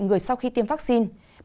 người sau khi tiêm vaccine